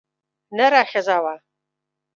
نره ښځه وه.